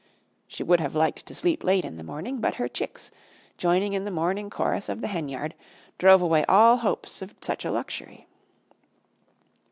She would have liked to sleep late in the morning, but her chicks, joining in the morning chorus of the hen yard, drove away all hopes of such a luxury.